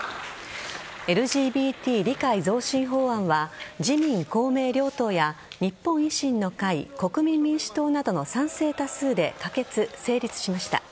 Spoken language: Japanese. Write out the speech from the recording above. ＬＧＢＴ理解増進法案は自民・公明両党や日本維新の会国民民主党などの賛成多数で可決・成立しました。